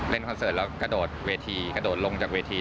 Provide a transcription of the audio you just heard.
เล่นคอนเซิร์ตแล้วกระโดดกระโดดลงจากเวที่